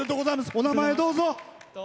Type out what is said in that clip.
お名前、どうぞ。